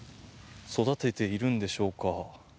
育てているんでしょうか。